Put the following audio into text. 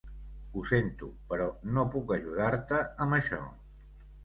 Ho sento, però no puc ajudar-te amb això.